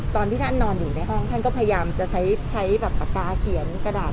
ตอนที่ท่านนอนอยู่ในห้องท่านก็พยายามจะใช้แบบปากกาเขียนกระดาษ